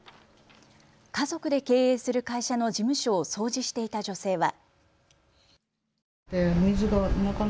家族で経営する会社の事務所を掃除していた女性は。